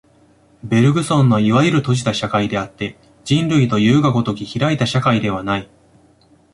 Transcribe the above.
ベルグソンのいわゆる閉じた社会であって、人類というが如き開いた社会ではない。